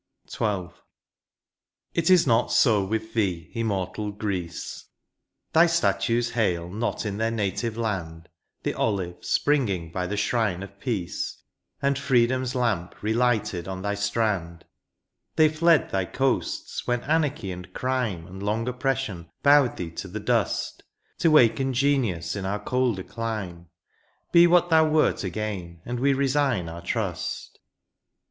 THE PAST. 121 XII. It is not so with thee, immortal Greece, Thy statues hail not in their native land The olive, springing by the shrine of peace, And freedom's lamp relighted on thy strand ; They fled thy coasts when anarchy and crime And long oppression bowed thee to the dust. To waken genius in our colder clime ; Be what thou wert again, and we resign our trust.